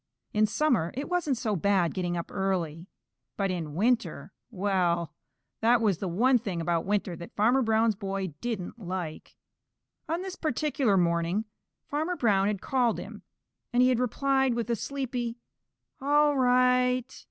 In summer it wasn't so bad getting up early, but in winter well, that was the one thing about winter that Farmer Brown's boy didn't like. On this particular morning Farmer Brown had called him, and he had replied with a sleepy "All right."